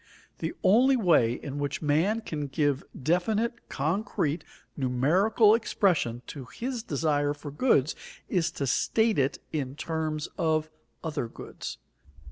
The only way in which man can give definite, concrete, numerical expression to his desire for goods is to state it in terms of other goods.